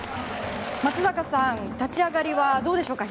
松坂さん、立ち上がりはどうでしょうか。